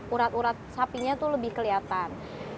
urat urat sapinya itu lebih kelihatan